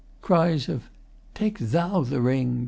Cries of 'Take thou the ring!